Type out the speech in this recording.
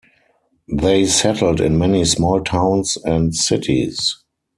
They settled in many small towns and cities.